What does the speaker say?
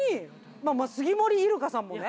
まぁ杉森イルカさんもね。